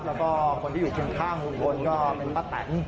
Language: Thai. แล้วก็คนที่อยู่ขึ้นข้างบนก็เป็นประตัญ